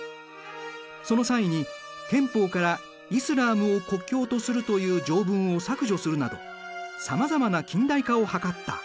その際に憲法から「イスラームを国教とする」という条文を削除するなどさまざまな近代化を図った。